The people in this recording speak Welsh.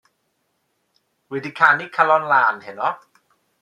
Wedi canu Calon Lân heno.